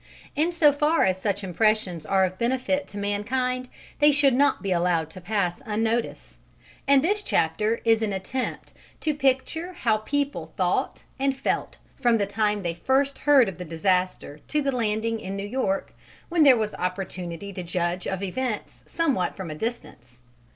In so far as such impressions are of benefit to mankind they should not be allowed to pass unnoticed, and this chapter is an attempt to picture how people thought and felt from the time they first heard of the disaster to the landing in New York, when there was opportunity to judge of events somewhat from a distance.